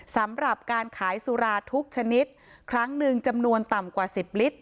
สำหรับการขายสุราทุกชนิดครั้งหนึ่งจำนวนต่ำกว่า๑๐ลิตร